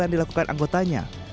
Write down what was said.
yang dilakukan anggotanya